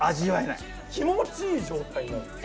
気持ちいい状態なんですよ。